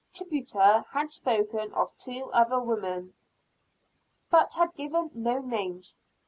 Tituba had spoken of two other women, but had given no names.